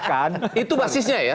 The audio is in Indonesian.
karena itu basisnya ya